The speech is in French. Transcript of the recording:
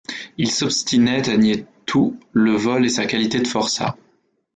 Il s’obstinait à nier tout, le vol et sa qualité de forçat.